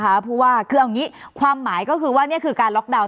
เพราะว่าคือเอาอย่างนี้ความหมายก็คือว่านี่คือการล็อกดาวน